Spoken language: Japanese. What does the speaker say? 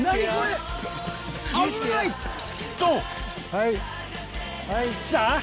はい。